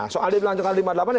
soal dia bilang lima delapan